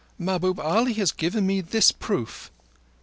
"Mahbub Ali has given me this proof."